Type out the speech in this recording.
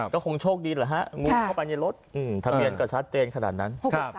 ก็คงโชคดีแหละฮะงูเข้าไปในรถทะเบียนก็ชัดเจนขนาดนั้น